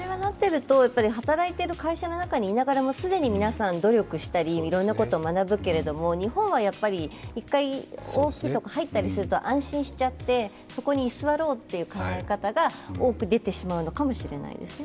働いている会社の中にいながらも既に皆さん努力したり、いろんなことを学ぶけれども、日本はやっぱり１回、大きいところに入ったりすると安心しちゃってそこに居座ろうという考え方が多く出てしまうのかもしれないですね。